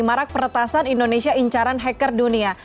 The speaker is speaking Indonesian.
marak peretasan indonesia incaran hacker dunia